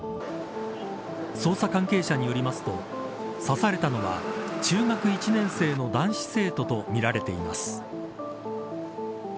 捜査関係者によりますと刺されたのは、中学１年生の男子生徒とみられています。